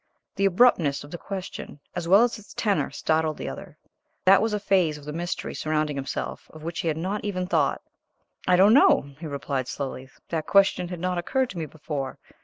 The abruptness of the question, as well as its tenor, startled the other; that was a phase of the mystery surrounding himself of which he had not even thought. "I do not know," he replied, slowly; "that question had not occurred to me before.